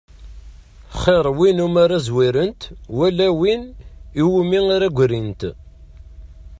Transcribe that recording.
Xir win umi ara zwirent, wala win umi ara ggrint.